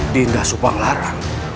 dinda supang lara